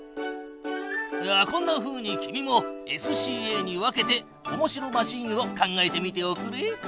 こんなふうに君もＳＣＡに分けておもしろマシーンを考えてみておくれ。